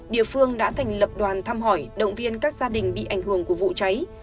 địa phương đã thành lập đoàn thăm hỏi động viên các gia đình bị ảnh hưởng của vụ cháy